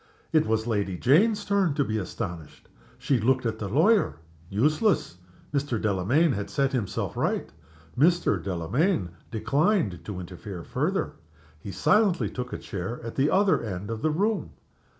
It was Lady Jane's turn to be astonished. She looked at the lawyer. Useless! Mr. Delamayn had set himself right Mr. Delamayn declined to interfere further. He silently took a chair at the other end of the room.